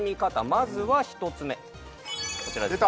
まずは１つ目こちらですね